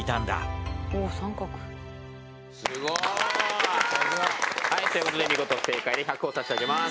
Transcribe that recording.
ということで見事正解で１００ほぉ差し上げます。